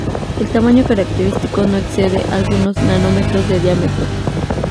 El tamaño característico no excede algunos nanómetros de diámetro.